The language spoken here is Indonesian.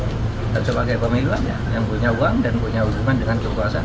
kita sebagai pemilu aja yang punya uang dan punya hubungan dengan kekuasaan